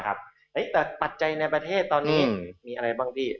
แต่ปัจจัยในประเทศตอนนี้มีอะไรบ้างพี่